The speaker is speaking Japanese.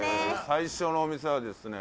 最初のお店はですね